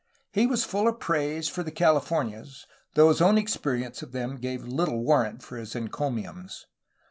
He was full of praise for the Calif ornias, though his own experience of them gave little warrant for his encomiums.